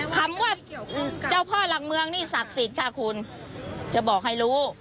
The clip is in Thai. คำว่าเจ้าพ่อหลักเมืองนี่ศักดิ์สิทธิ์ค่ะคุณจะบอกให้รู้